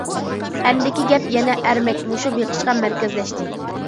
ئەمدىكى گەپ يەنە ئەرمەك مۇشۇ بېقىشقا مەركەزلەشتى.